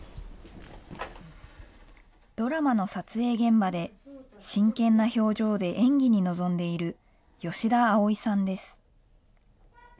ドラマの撮影現場で、真剣な表情で演技に臨んでいる、吉田葵さんです。